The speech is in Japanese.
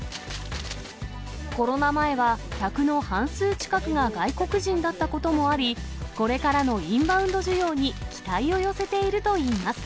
コロナ前は客の半数近くが外国人だったこともあり、これからのインバウンド需要に期待を寄せているといいます。